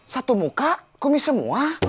satu muka kumis semua